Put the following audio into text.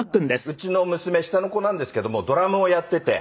うちの娘下の子なんですけどもドラムをやっていて。